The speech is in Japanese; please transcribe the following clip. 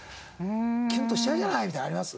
「キュンとしちゃうじゃない！」みたいなのあります？